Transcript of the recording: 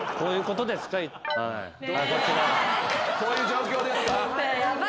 こういう状況ですか？